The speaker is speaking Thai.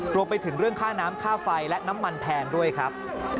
รวมไปถึงเรื่องค่าน้ำค่าไฟและน้ำมันแพงด้วยครับ